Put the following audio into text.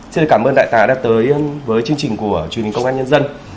xin cảm ơn đại tá đã tới với chương trình của truyền hình công an nhân dân